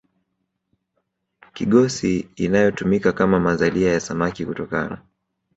kigosi inayotumika kama mazalia ya samaki kutokana